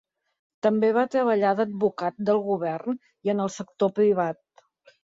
També va treballar d'advocat del govern i en el sector privat.